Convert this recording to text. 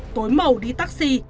tối mầu đi taxi